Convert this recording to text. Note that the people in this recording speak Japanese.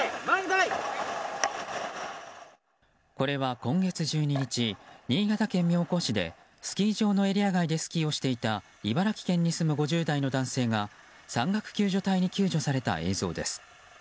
これは今月１２日新潟県妙高市でスキー場のエリア外でスキーをしていた茨城県に住む５０代の男性が山岳救助隊に救助された映像です。